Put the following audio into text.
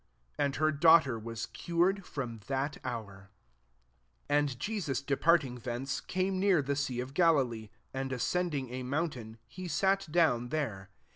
'* And her daughter was cured from that hour. 29 Ani> Jesus departing thence, came near the sea of Galilee; and ascending a moun tain, he sat down there.